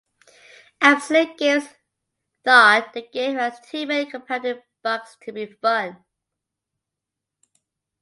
Absolute Games thought the game had too many compounding bugs to be fun.